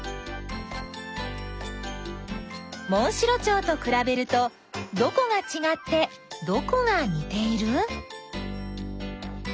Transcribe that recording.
モンシロチョウとくらべるとどこがちがってどこがにている？